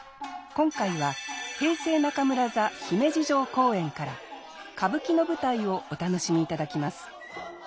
今回は平成中村座姫路城公演から歌舞伎の舞台をお楽しみいただきます。